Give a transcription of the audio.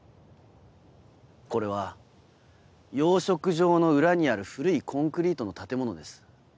これは養殖場の裏にある古いコンクリートの建物です。